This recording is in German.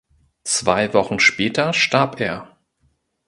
Zwei Wochen später starb er.